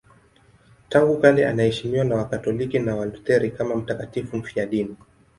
Tangu kale anaheshimiwa na Wakatoliki na Walutheri kama mtakatifu mfiadini.